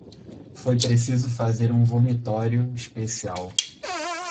foi preciso fazer um vomitório especial